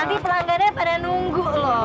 nanti pelanggarnya pada nunggu loh